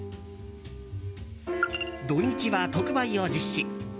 土日は特売を実施。